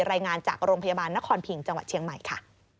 รายงานจากโรงพยาบาลนครพิงจังหวัดเชียงใหม่ค่ะ